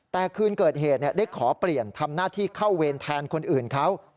แต่คืนเกิดเหตุได้ขอเปลี่ยนทำหน้าที่เข้าเวรแทนคนอื่นเขา